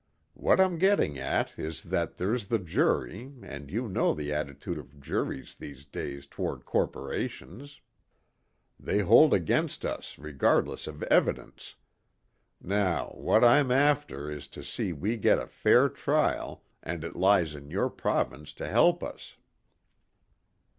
What I'm getting at is that there's the jury and you know the attitude of juries these days toward corporations. They hold against us regardless of evidence. Now what I'm after is to see we get a fair trial and it lies in your province to help us."